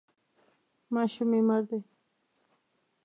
ماشوم مې مړ دی.